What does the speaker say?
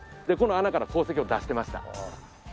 でこの穴から鉱石を出してました。